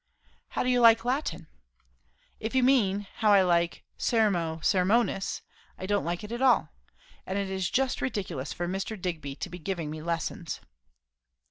"How do you like Latin?" "If you mean, how I like Sermo Sermonis, I don't like it at all. And it is just ridiculous for Mr. Digby to be giving me lessons."